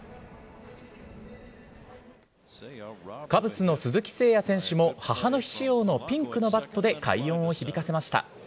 カブスの鈴木誠也選手も、母の日仕様のピンクのバットで快音を響かせました。